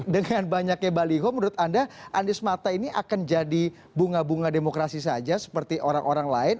dengan banyaknya baliho menurut anda anies mata ini akan jadi bunga bunga demokrasi saja seperti orang orang lain